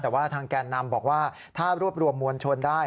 แต่ว่าทางแก่นนำบอกว่าถ้ารวบรวมมวลชนได้